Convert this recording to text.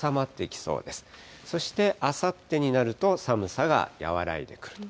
そして、あさってになると寒さが和らいでくる。